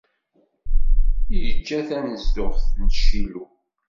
Iǧǧa tanezduɣt n Cilu.